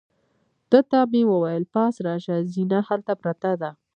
ده ته مې وویل: پاس راشه، زینه هلته پرته ده.